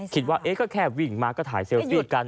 คิดว่าก็แค่วิ่งมาก็ถ่ายเซลฟี่กัน